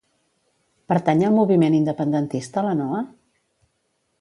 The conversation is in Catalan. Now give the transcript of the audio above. Pertany al moviment independentista la Noa?